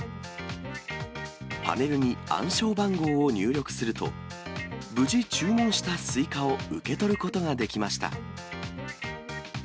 パネルに暗証番号を入力すると、無事、注文したスイカを受け取ることができました。